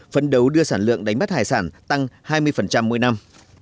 phấn đấu đưa sản lượng đánh bắt hải sản tăng hai mươi mỗi năm